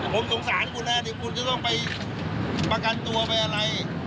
ผมสงสารคุณนะที่คุณจะต้องไปประกันตัวไปอะไร